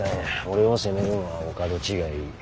俺を責めるのはお門違い。